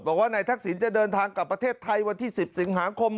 บอกว่านายทักษิณจะเดินทางกลับประเทศไทยวันที่๑๐สิงหาคม